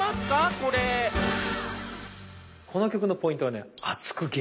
これこの曲のポイントはね